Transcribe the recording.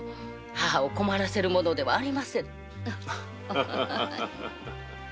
母を困らせるものではありませぬ。